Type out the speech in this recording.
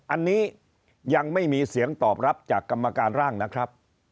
อันนี้ยังไม่มีเสียงตอบรับจากกรรมการร่างนะครับ